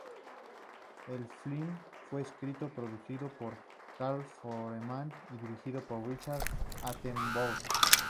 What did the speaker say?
El film fue escrito y producido por Carl Foreman y dirigido por Richard Attenborough.